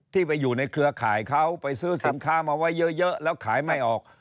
ไปอยู่ในเครือข่ายเขาไปซื้อสินค้ามาไว้เยอะแล้วขายไม่ออก